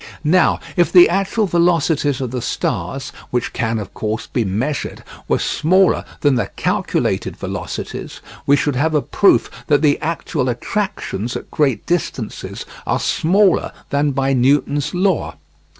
Now if the actual velocities of the stars, which can, of course, be measured, were smaller than the calculated velocities, we should have a proof that the actual attractions at great distances are smaller than by Newton's law.